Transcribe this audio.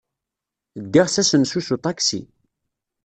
Ddiɣ s asensu s uṭaksi.